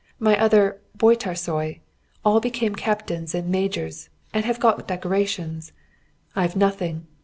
my other bajtarsai all became captains and majors, and have got decorations. I've nothing!